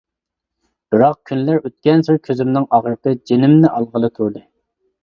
بىراق، كۈنلەر ئۆتكەنسېرى كۆزۈمنىڭ ئاغرىقى جېنىمنى ئالغىلى تۇردى.